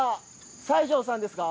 西條さんですか？